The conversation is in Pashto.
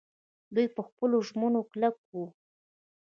دوی په خپلو ژمنو کلک وو.